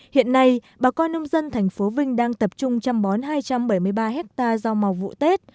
hiện nay bà con nông dân thành phố vinh đang tập trung chăm bón hai trăm bảy mươi ba hectare rau màu vụ tết